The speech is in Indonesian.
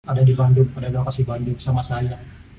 ada di bandung ada yang pasti bandung sama saya